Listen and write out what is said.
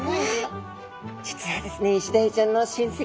実はですね